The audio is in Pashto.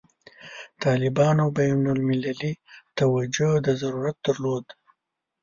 طالبانو بین المللي توجه ته ضرورت درلود.